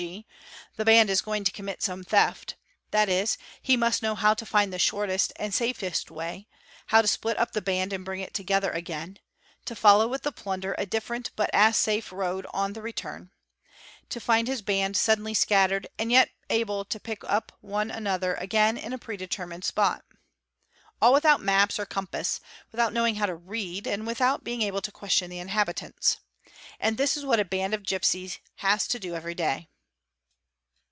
g., the band is going to cominit some theft ; _thatis, he must know how to find the shortest and safest way, how to split up the band and bring it together again, to follow with the plunder a different but as safe a road on the return, to find his band suddenly scat tered and yet able to pick one another up again in a pre determined spot, all without map or compass, without knowing how to read, and without being able to question the inhabitants. And this is what a band of '_gipsies has to do every day.